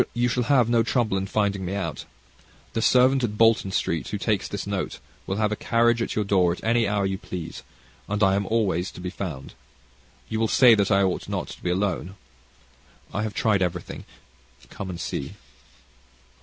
You shall have no trouble in finding me out. The servant at Blank Street, who takes this note, will have a carriage at your door at any hour you please; and I am always to be found. You will say that I ought not to be alone. I have tried everything. Come and see."